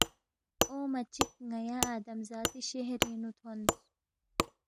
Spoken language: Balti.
اونگما چِک ن٘یا آدم ذاتی شہرِنگ نُو تھونس